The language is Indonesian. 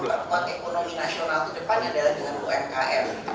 memperkuat ekonomi nasional ke depannya adalah dengan umkm